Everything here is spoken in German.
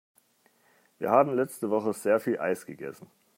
Wir haben letzte Woche sehr viel Eis gegessen.